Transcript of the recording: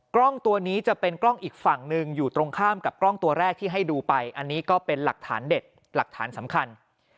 กล้องตัวนี้จะเป็นกล้องอีกฝั่งหนึ่งอยู่ตรงข้ามกับกล้องตัวแรกที่ให้ดูไปอันนี้ก็เป็นหลักฐานเด็ดหลักฐานสำคัญ